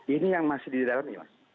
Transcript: ini yang masih didalami mas